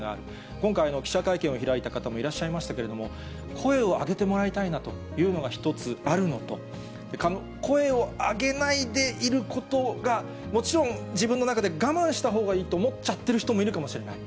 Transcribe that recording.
今回の記者会見を開いた方もいらっしゃいましたけども、声を上げてもらいたいなというのが一つあるのと、声を上げないでいることが、もちろん自分の中で我慢したほうがいいと思っちゃってる人もいるかもしれない。